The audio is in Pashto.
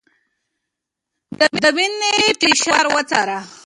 د وينې فشار وڅاره